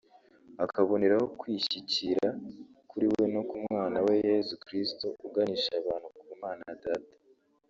akaboneraho kwishyikira kuri we no ku mwana we Yezu Krisitu uganisha abantu ku Mana Data